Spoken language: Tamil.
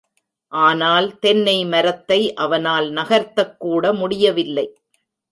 ஆனால், தென்னை மரத்தை அவனால் நகர்த்தக்கூட முடியவில்லை!